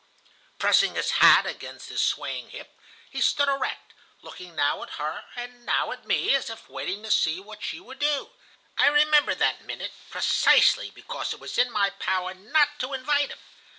Pressing his hat against his swaying hip, he stood erect, looking now at her and now at me, as if waiting to see what she would do. I remember that minute, precisely because it was in my power not to invite him.